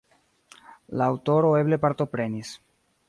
La aŭtoro eble partoprenis.